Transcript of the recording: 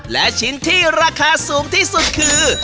และชิ้นที่ราคาสูงที่สุดคือ